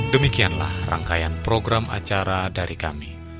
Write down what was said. demikianlah rangkaian program acara dari kami